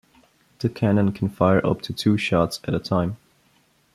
The cannon can fire up to two shots at a time.